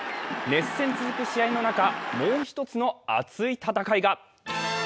熱戦続く試合の中、もう１つの熱い戦いが。